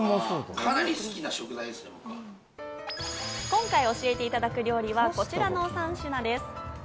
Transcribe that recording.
今回教えていただく料理はこちらの３品です。